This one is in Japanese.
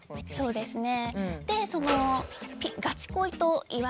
そうですね。